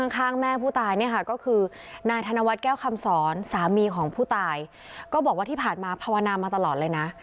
ก็คือนายธนวัตรแก้วคำสอนสามีของผู้ตายก็บอกว่าที่ผ่านมาพาวนามาตลอดเลยนะ